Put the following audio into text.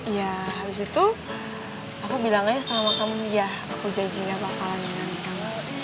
ya habis itu aku bilang aja sama kamu ya aku janji gak bakalan ninggalin kamu